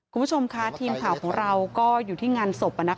คุณผู้ชมค่ะทีมข่าวของเราก็อยู่ที่งานศพ